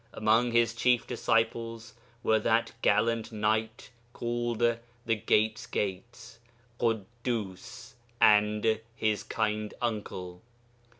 Among his chief disciples were that gallant knight called the 'Gate's Gate,' Ḳuddus, and his kind uncle.